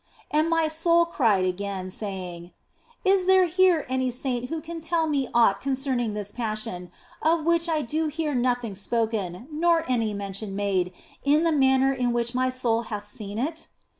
And my soul cried again, saying, " Is there here any saint who can tell OF FOLIGNO 203 me aught concerning this Passion, of which I do hear nothing spoken, nor any mention made, in the manner in which my soul hath seen it